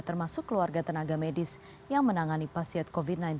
termasuk keluarga tenaga medis yang menangani pasien covid sembilan belas